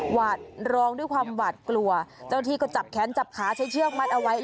หวาดร้องด้วยความหวาดกลัวเจ้าหน้าที่ก็จับแค้นจับขาใช้เชือกมัดเอาไว้